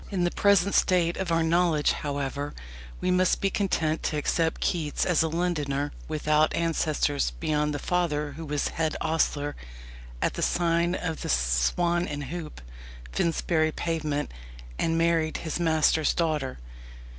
In the present state of our knowledge, however, we must be content to accept Keats as a Londoner without ancestors beyond the father who was head ostler at the sign of the "Swan and Hoop," Finsbury Pavement, and married his master's daughter.